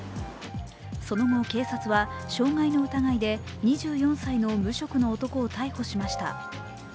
その後、警察は傷害の疑いで２４歳の無職の男を逮捕しました。